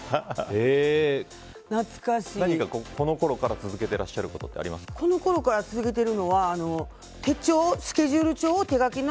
何かこのころから続けていらっしゃることこのころから続けているのは手帳、スケジュール帳を手書きの。